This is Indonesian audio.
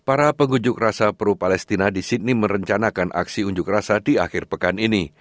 para pengunjuk rasa peru palestina di sydney merencanakan aksi unjuk rasa di akhir pekan ini